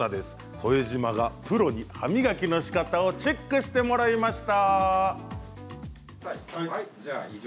副島が、プロに歯磨きのしかたをチェックしてもらいました。